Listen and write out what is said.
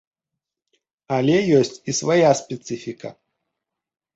Але ёсць і свая спецыфіка.